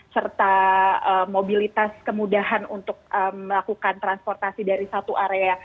serta mobilitas kemudahan untuk melakukan transportasi dari satu area